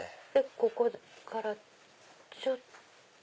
ここからちょっと。